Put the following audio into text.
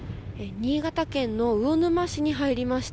新潟県の魚沼市に入りました。